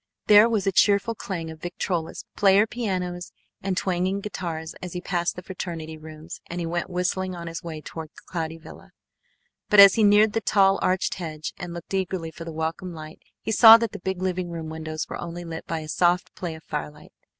There was a cheerful clang of victrolas, player pianos and twanging guitars as he passed the fraternity rooms, and he went whistling on his way toward Cloudy Villa. But as he neared the tall arched hedge, and looked eagerly for the welcome light, he saw that the big living room windows were only lit by a soft play of firelight.